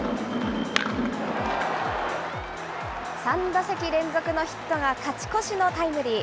３打席連続のヒットが勝ち越しのタイムリー。